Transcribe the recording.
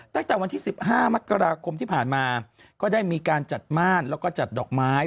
ตั้งแต่วันที่๑๕มกราคมที่ผ่านมาก็ได้มีการจัดม่านแล้วก็จัดดอกไม้